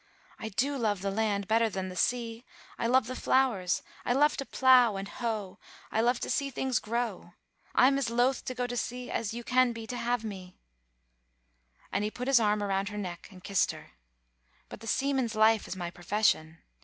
I do love the land better than the sea. I love the flowers; I love to plough and hoe; I love to see things grow. I'm as loath to go to sea as you can be to have me;" and he put his arm around her neck and kissed her; "but the seaman's life is my profession.